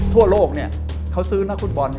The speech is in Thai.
ทั่วโลกเขาซื้อนักฟุตบอล